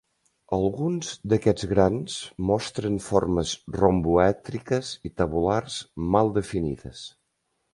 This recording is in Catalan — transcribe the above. Alguns d'aquests grans mostren formes romboèdriques i tabulars mal definides.